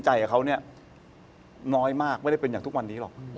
จะสั่งมาให้มึงกิน